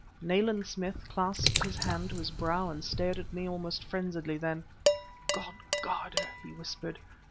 Nayland Smith clapped his hand to his brow and stared at me almost frenziedly, then "God guard her!" he whispered.